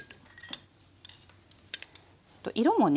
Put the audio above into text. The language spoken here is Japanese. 色もね